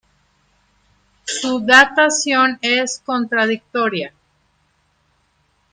Su datación es contradictoria.